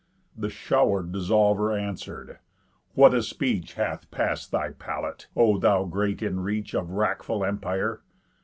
The Show'r dissolver answer'd: "What a speech Hath pass'd thy palate, O thou great in reach Of wrackful empire!